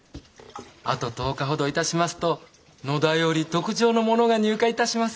あと１０日ほど致しますと野田より特上のものが入荷致します。